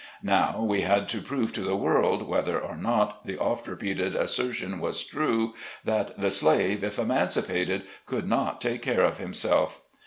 Now, we had to prove to the world, whether or not, the oft repeated assertion was true, "That the slave, if emancipated, could not take care of himself."